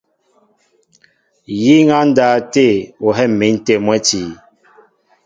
Yíŋ á ndáw tê, ó hɛ̂m̀in tê mwɛ̌ti.